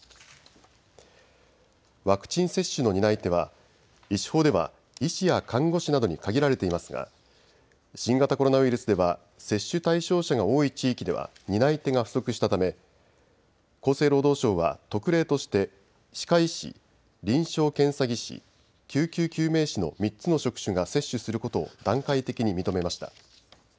ワクチン接種の担い手は医師法では医師や看護師などに限られていますが新型コロナウイルスでは接種対象者が多い地域では担い手が不足したため厚生労働省は特例として歯科医師、臨床検査技師、救急救命士の３つの職種が接種することを段階的に認めました。